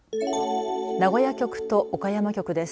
名古屋局と岡山局です。